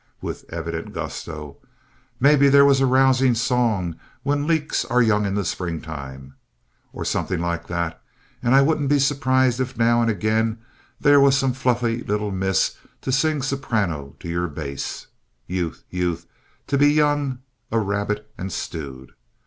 (With evident gusto) Maybe there was a rousing song "When Leeks Are Young in Springtime" or something like that, and I wouldn't be surprised if now and again there was some fluffy little miss to sing soprano to your bass. Youth! Youth! To be young, a rabbit and stewed.